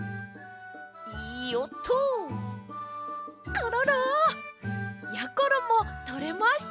コロロ！やころもとれました！